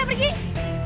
eh mereka udah pergi